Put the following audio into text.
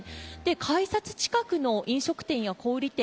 改札近くの飲食店や小売店